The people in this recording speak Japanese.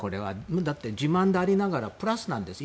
だって、自慢でありながらプラスなんですよ。